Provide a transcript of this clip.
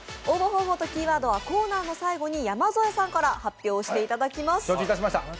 応募方法とキーワードはコーナーの最後に山添さんから発表していただきます。